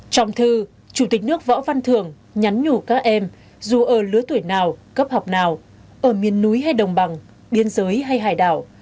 trong thư chủ tịch nước võ văn thường nhắn nhủ các em dù ở lứa tuổi nào cấp học nào ở miền núi hay đồng bằng biên giới hay hải đảo